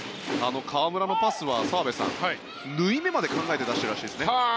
河村のパスは、澤部さん縫い目まで考えて出してるらしいですね。